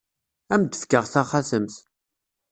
Ad am-d-fkeɣ taxatemt.